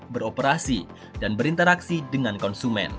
beroperasi dan berinteraksi dengan konsumen